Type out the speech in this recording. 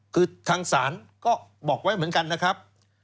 คือทางศาลก็บอกไว้เหมือนกันนะครับ